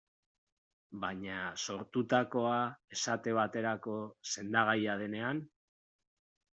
Baina, sortutakoa, esate baterako, sendagaia denean?